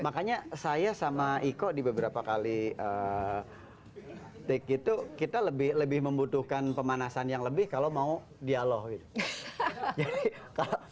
makanya saya sama iko di beberapa kali tik itu kita lebih membutuhkan pemanasan yang lebih kalau mau dialog gitu